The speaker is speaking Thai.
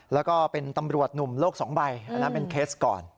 แล้วก็เป็นตำรวจหนุ่มโลก๒ใบอันนั้นเป็นเคสก่อน